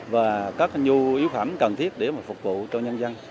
và các nhu yếu phẩm cần thiết để mà phục vụ cho nhân dân